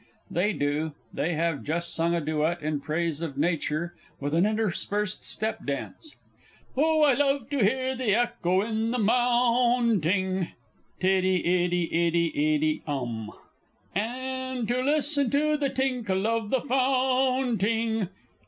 [_They do; they have just sung a duet in praise of Nature with an interspersed step dance. "Oh, I love to 'ear the echo on the Moun ting!" (Tiddity iddity iddity iddity um!) "And to listen to the tinkle of the Foun ting!"